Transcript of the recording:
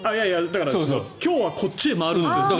だから今日はこっちへ回るって。